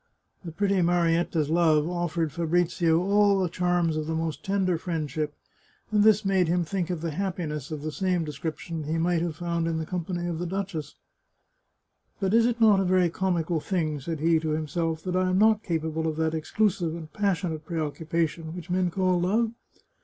The pretty Marietta's love offered Fabrizio all the charms of the most tender friendship, and this made him think of the happiness of the same description he might have found in the company of the duchess. " But is it not a very comical thing," said he to him self, " that I am not capable of that exclusive and passionate preoccupation which men call love?